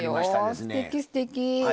すてきすてき。